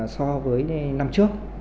so với năm trước